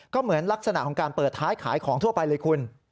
ก็เหมือนลักษณะของการเปิดท้ายขายของทั่วไปเลยคุณ